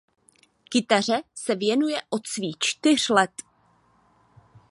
Kytaře se věnuje od svých čtyř let.